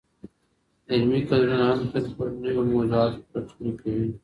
علمي کدرونه هم تل پر نویو موضوعاتو پلټني کوي.